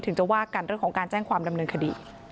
ถึงจะว่ากันเรื่องของการแจ้งความดำเนินคดี